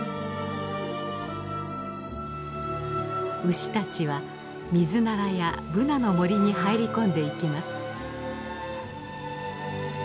牛たちはミズナラやブナの森に入り込んでいきます。